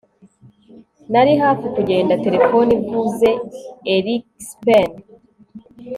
nari hafi kugenda, terefone ivuze erikspen